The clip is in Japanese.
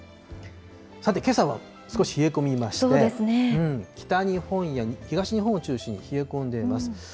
さて、けさは少し冷え込みまして、北日本や東日本を中心に冷え込んでいます。